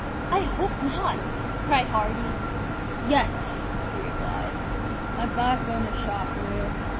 "I hope not," cried Hardy. "Yes," he replied, "my backbone is shot through."